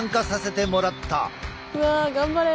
うわ頑張れ！